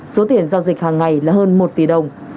số tiền giao dịch hàng ngày là hơn một tỷ đồng